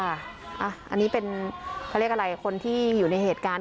อันนี้เป็นเขาเรียกอะไรคนที่อยู่ในเหตุการณ์